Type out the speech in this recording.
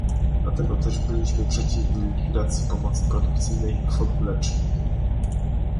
Dlatego też byliśmy przeciwni likwidacji pomocy produkcyjnej i kwot mlecznych